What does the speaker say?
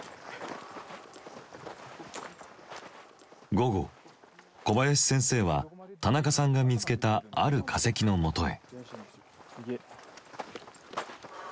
午後小林先生は田中さんが見つけたある化石のもとへ。